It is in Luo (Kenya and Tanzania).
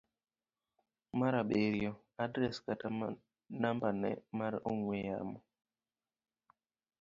mar abiriyo. Adres kata nambane mar ong'we yamo